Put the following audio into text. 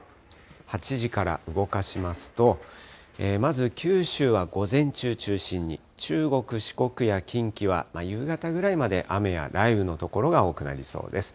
８時から動かしますと、まず九州は午前中中心に、中国、四国や近畿は夕方ぐらいまで雨や雷雨の所が多くなりそうです。